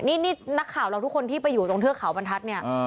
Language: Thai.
นี่นักข่าวเราทุกคนที่ไปอยู่ตรงเทือกเขาบรรทัศน์เนี่ย